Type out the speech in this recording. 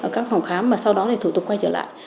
ở các phòng khám mà sau đó thì thủ tục quay trở lại